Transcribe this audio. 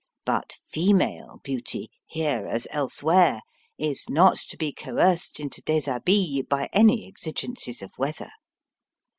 But female beauty, here as elsewhere, is not to be coerced into dSshabille by any exigencies of weather.